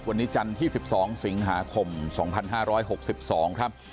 วันนี้จันทร์ที่๑๒สิงหาคม๒๕๖๒ครับ